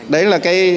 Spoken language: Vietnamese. đấy là cái